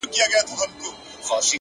هره ورځ د نوي درس فرصت لري.!